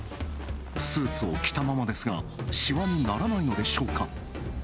スーツを着たままですがシワにならないのでしょうか。